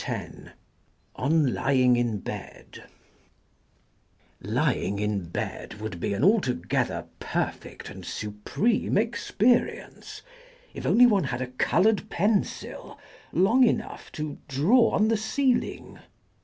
ON LYING IN BED LYING in bed would be an altogether perfect and supreme experience if only one had a coloured pencil long enough to draw on the ceiling.